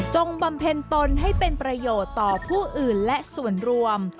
บำเพ็ญตนให้เป็นประโยชน์ต่อผู้อื่นและส่วนรวม